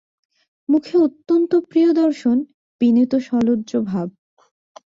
মুখে অত্যন্ত প্রিয়দর্শন বিনীত সলজ্জ ভাব।